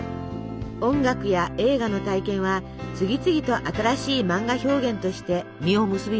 音楽や映画の体験は次々と新しい漫画表現として実を結びます。